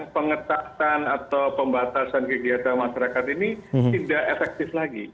pengetatan atau pembatasan kegiatan masyarakat ini tidak efektif lagi